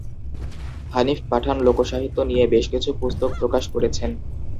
হানিফ পাঠান লোকসাহিত্য নিয়ে বেশ কিছু পুস্তক প্রকাশ করেছেন।